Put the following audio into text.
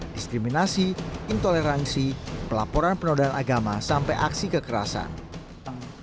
diskriminasi intoleransi pelaporan penodaan agama sampai aksi kekerasan